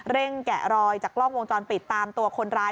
แกะรอยจากกล้องวงจรปิดตามตัวคนร้าย